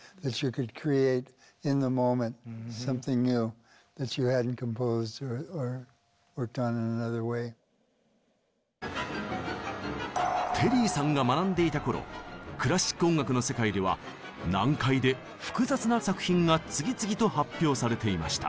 どこかテリーさんが学んでいた頃クラシック音楽の世界では難解で複雑な作品が次々と発表されていました。